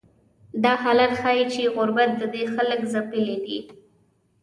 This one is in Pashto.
دا حالت ښیي چې غربت ددې سیمې خلک ځپلي دي.